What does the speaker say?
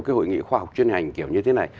cái hội nghị khoa học chuyên ngành kiểu như thế này